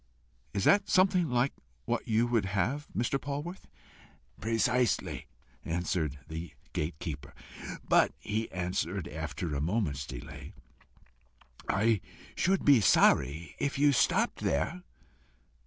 Is that something like what you would have, Mr. Polwarth?" "Precisely," answered the gate keeper. "But," he added, after a moment's delay, "I should be sorry if you stopped there."